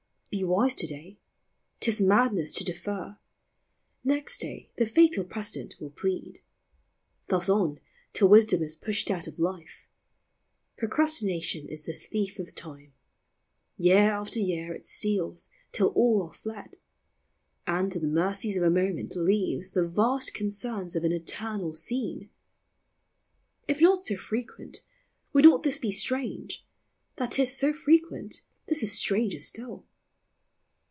Be wise to day ; 't is madness to defer ; Next day the fatal precedent will plead ; Thus on, till wisdom is pushed out of life. Procrastination is the thief of time ; Year after year it steals, till all are fled, And to the mercies of a moment leaves The vast concerns of an eternal scene. If not so frequent, would not this be strange ? That 't is so frequent, this is stranger still.